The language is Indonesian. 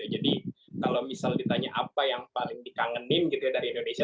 jadi kalau misalnya ditanya apa yang paling dikangenin dari indonesia